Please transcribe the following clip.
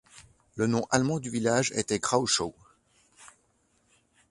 Le nom allemand du village était Krauschow.